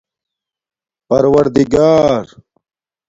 پَروردگار